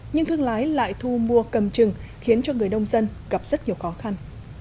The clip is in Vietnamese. nhưng thương lái lại thu mua cầm chừng khiến cho người nông dân gặp rất nhiều khó khăn